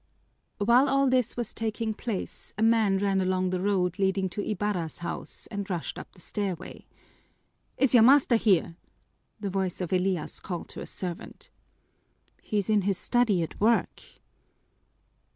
While all this was taking place, a man ran along the road leading to Ibarra's house and rushed up the stairway. "Is your master here?" the voice of Elias called to a servant. "He's in his study at work."